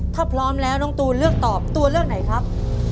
ถ้าพร้อมแล้วน้องตูนเลือกตอบตัวเลือกไหนครับ